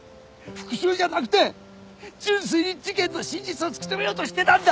復讐じゃなくて純粋に事件の真実を突き止めようとしてたんだ！